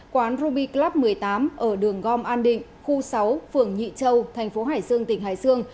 quán ruby club một mươi tám ở đường gom an định khu sáu phường nhị châu thành phố hải dương tỉnh hải dương